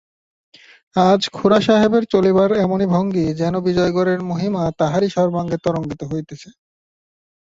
আজ খুড়াসাহেবের চলিবার এমনি ভঙ্গি, যেন বিজয়গড়ের মহিমা তাঁহারই সর্বাঙ্গে তরঙ্গিত হইতেছে।